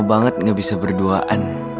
banget nggak bisa berduaan